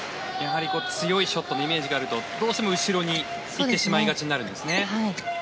強いショットのイメージがあると、どうしても後ろに行ってしまいがちになるんですね。